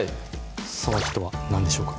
その日とは何でしょうか？